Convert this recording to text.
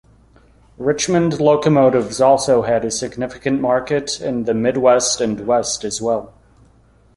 Richmond locomotives also had a significant market in the Midwest and West as well.